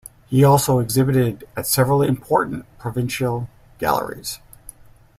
He also exhibited at several important provincial galleries.